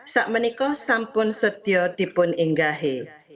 sak meniko sampun setio dipun inggahi